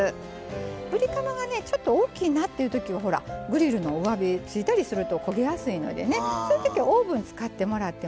ぶりカマはちょっと大きいなっていうときはグリルのうわべ、付いたりすると焦げやすいので、そういうときはオーブンを使ってもらっても